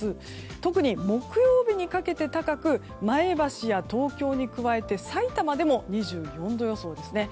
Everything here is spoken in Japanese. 特に木曜日にかけて高く前橋や東京に加えてさいたまでも２４度予想ですね。